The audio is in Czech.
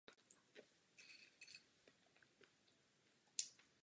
Následující měsíc už mohl se Slavií slavit další mistrovský titul.